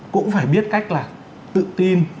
cũng phải biết cách là tự tin